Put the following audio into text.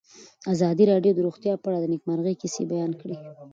ازادي راډیو د روغتیا په اړه د نېکمرغۍ کیسې بیان کړې.